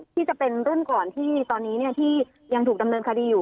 ที่จะเป็นรุ่นก่อนที่ตอนนี้ที่ยังถูกดำเนินคดีอยู่